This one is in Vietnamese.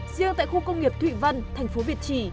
riêng tại khu công nghiệp thụy văn thành phố việt trì